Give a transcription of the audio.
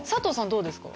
どうですか？